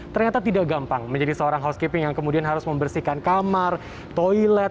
ternyata tidak gampang menjadi seorang housekeeping yang kemudian harus membersihkan kamar toilet